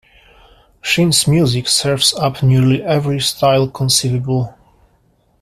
Shin's music serves up nearly every style conceivable.